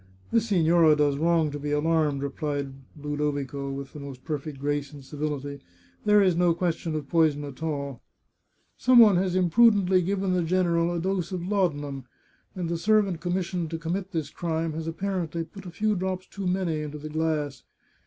" The signora does wrong to be alarmed," replied Ludo vico, with the most perfect gfrace and civility, " There is no question of poison at all. Some one has imprudently given the general a dose of laudanum, and the servant com missioned to commit this crime has apparently put a few drops too many into the glass.